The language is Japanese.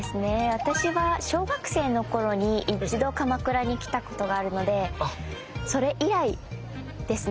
私は小学生の頃に一度鎌倉に来たことがあるのでそれ以来ですね。